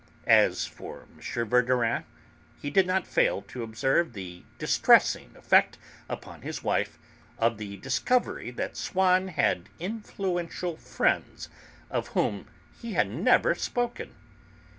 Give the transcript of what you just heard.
As for M. Verdurin, he did not fail to observe the distressing effect upon his wife of the discovery that Swann had influential friends of whom he had never spoken.